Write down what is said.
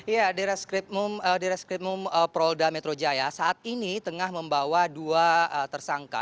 ya di reskrimum polda metro jaya saat ini tengah membawa dua tersangka